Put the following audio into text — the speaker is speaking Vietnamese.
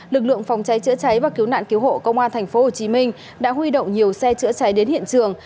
lực lượng phòng cháy chữa cháy và cứu nạn cứu hộ công an tp hcm đã huy động nhiều xe chữa cháy đến hiện trường